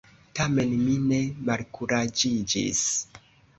Tamen, mi ne malkuraĝiĝis.